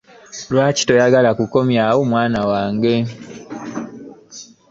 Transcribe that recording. Lwaki toyagala kukomyawo mwana wange?